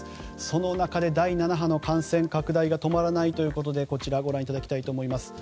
その中で第７波の感染拡大が止まらないということでこちらをご覧ください。